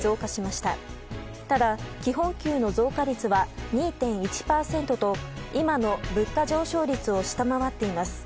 ただ、基本給の増加率は２．１％と今の物価上昇率を下回っています。